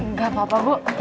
nggak apa apa bu